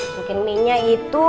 mungkin minyak itu